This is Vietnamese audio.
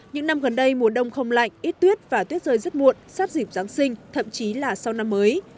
những năm gần đây mùa đông không lạnh ít tuyết và tuyết rơi rất muộn sắp dịp giáng sinh thậm chí là sau năm mới